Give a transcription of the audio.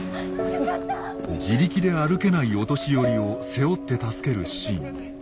自力で歩けないお年寄りを背負って助けるシーン。